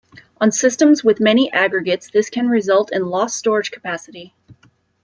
On systems with many aggregates this can result in lost storage capacity.